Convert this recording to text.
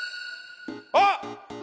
あっ！